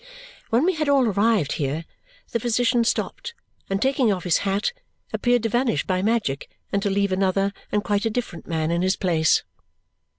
When we had all arrived here, the physician stopped, and taking off his hat, appeared to vanish by magic and to leave another and quite a different man in his place.